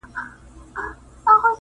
د ستونزو پر وړاندې مقاومت ضروري دی.